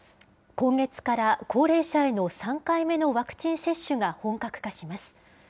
今月から高齢者への３回目のワクチン接種が本格化します。